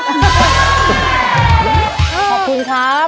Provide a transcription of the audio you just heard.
ขอบคุณครับ